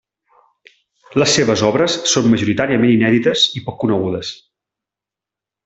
Les seves obres són majoritàriament inèdites i poc conegudes.